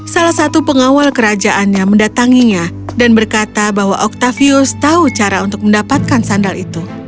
salah satu pengawal kerajaannya mendatanginya dan berkata bahwa octavius tahu cara untuk mendapatkan sandal itu